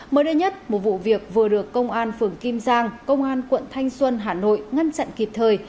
mới đây nhất một vụ việc vừa được công an phường kim giang công an quận thanh xuân hà nội ngăn chặn kịp thời